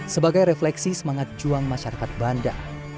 sebagai refleksi semangat juang masyarakat banda